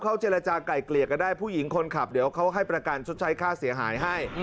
เขาเจรจากลายเกลี่ยกันได้ผู้หญิงคนขับเดี๋ยวเขาให้ประกันชดใช้ค่าเสียหายให้